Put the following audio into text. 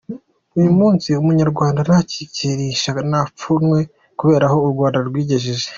Uyu munsi umunyarwanda ntakihishahisha, nta pfunwe kubera aho u Rwanda rwigejeje.